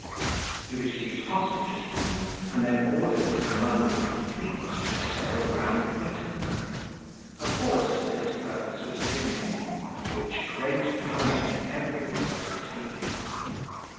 He received hostages from them, and then ordered the commander of the fleet to sail round Britain. A force for this purpose was given him, which great panic everywhere preceded.